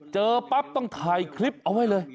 เจอปั๊บต้องถ่ายคลิปเอาไว้เลย